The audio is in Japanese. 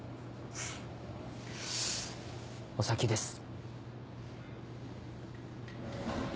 お先です。